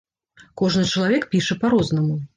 Кожны чалавек піша па-рознаму.